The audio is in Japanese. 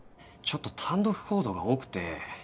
ちょっと単独行動が多くて。